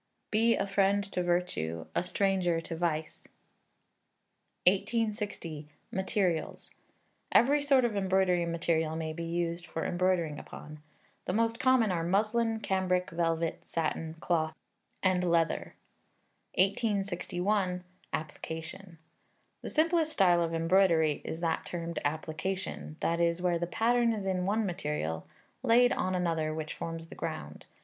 [BE A FRIEND TO VIRTUE A STRANGER TO VICE.] 1860. Materials. Every sort of embroidery material may be used for embroidering upon. The most common are muslin, cambric, velvet, satin, cloth, and leather. 1861. Application. The simplest style of embroidery is that termed Application, that is, where the pattern is in one material, laid on another which forms the ground.